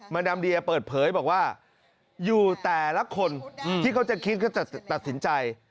ดามเดียเปิดเผยบอกว่าอยู่แต่ละคนที่เขาจะคิดเขาจะตัดสินใจ